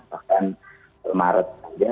bahkan maret saja